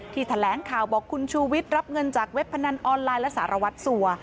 แถลงข่าวบอกคุณชูวิทย์รับเงินจากเว็บพนันออนไลน์และสารวัตรสัว